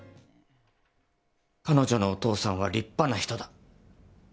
彼女のお父さんは立派な人だ。